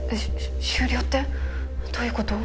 終了ってどういう事？